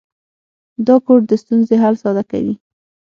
دا کوډ د ستونزې حل ساده کوي.